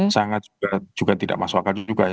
sangat juga tidak masuk akal juga ya